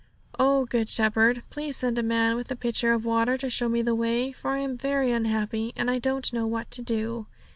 'Oh, Good Shepherd, please send me a man with a pitcher of water to show me the way, for I am very unhappy, and I don't know what to do.